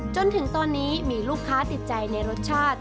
จนถึงตอนนี้มีลูกค้าติดใจในรสชาติ